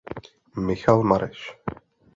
Michal Mareš.